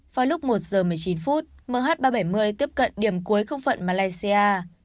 vào lúc một giờ một mươi chín phút mh ba trăm bảy mươi tiếp cận điểm cuối không phận malaysia